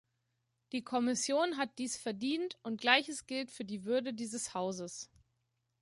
Die Kommission hat dies verdient, und Gleiches gilt für die Würde dieses Hauses.